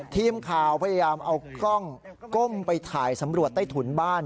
ทีมข่าวพยายามเอากล้องก้มไปถ่ายสำรวจใต้ถุนบ้าน